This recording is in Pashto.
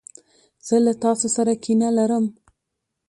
زه له تاسو سره کینه لرم.